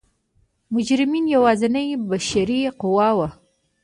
مجرمین یوازینۍ بشري قوه وه.